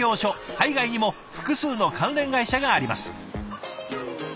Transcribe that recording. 海外にも複数の関連会社があります。